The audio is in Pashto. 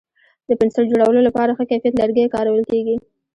د پنسل جوړولو لپاره ښه کیفیت لرګی کارول کېږي.